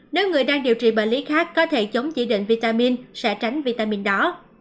nếu người đang điều trị bệnh lý khác có thể chống chỉ định vitamin sẽ tránh vitamin đó